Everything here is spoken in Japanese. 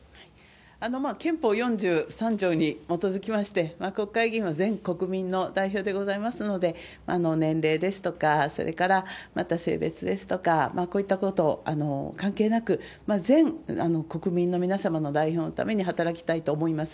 憲法４３条に基づきまして、国会議員は全国民の代表でございますので、年齢ですとか、それからまた性別ですとか、こういったことを関係なく、全国民の皆様の代表のために働きたいと思います。